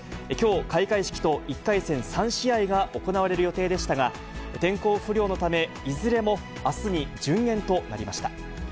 きょう、開会式と１回戦３試合が行われる予定でしたが、天候不良のため、いずれもあすに順延となりました。